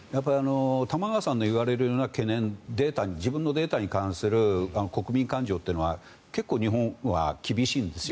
玉川さんの言われるような懸念自分のデータに関する国民感情というのは結構、日本は厳しいんですよ。